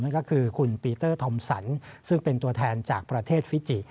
นั่นก็คือคุณปีเตอร์ธอมสันซึ่งเป็นตัวแทนจากประเทศฟิจิ